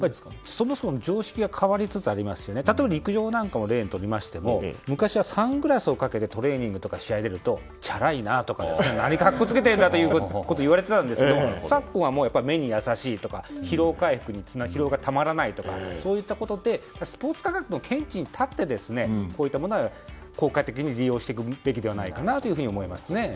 そもそもの常識が変わりつつありまして例えば陸上なんかを例にとりましても昔はサングラスをかけてトレーニングや試合に出るとちゃらいなとか何、格好をつけているといわれていたんですが昨今は、目に優しいとか疲労がたまらないとかそういったことでスポーツ科学の見地に立ってこういったものは効果的に利用していくべきだと思いますね。